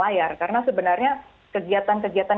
layar karena sebenarnya kegiatan kegiatan